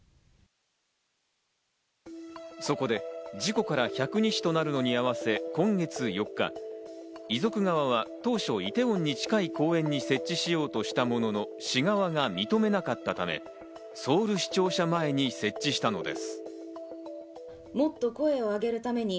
そこで事故から１００日となるのに合わせ、今月４日、遺族側は当初、イテウォンに近い公園に設置しようとしたものの、市側が認めなかったため、ソウル市庁舎前に設置したのです。